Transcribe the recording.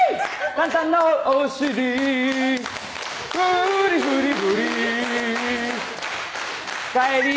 「満タンのお尻」「フリフリフリ」「おかえり」